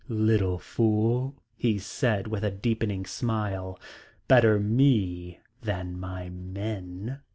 "Little fool," he said with a deepening smile. "Better me than my men."